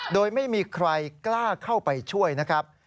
โดยไม่มีใครกล้าเข้าไปช่วยนะครับ